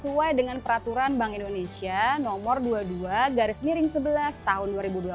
sesuai dengan peraturan bank indonesia nomor dua puluh dua garis miring sebelas tahun dua ribu dua puluh